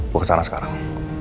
gue kesana sekarang